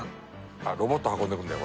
あっロボット運んで来るんだよ